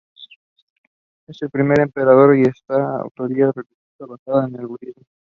Fue el primer emperador de esta autocracia religiosa basada en el budismo.